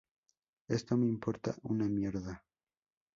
Esto me importa una mierda